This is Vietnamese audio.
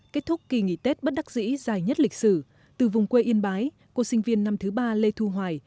kết thúc kỳ nghỉ tết bất đắc dĩ dài nhất lịch sử từ vùng quê yên bái cô sinh viên năm thứ ba lê thu hoài